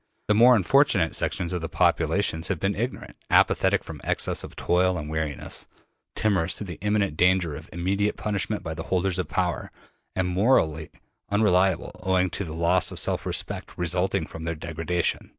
The more unfortunate sections of the population have been ignorant, apathetic from excess of toil and weariness, timorous through the imminent danger of immediate punishment by the holders of power, and morally unreliable owing to the loss of self respect resulting from their degradation.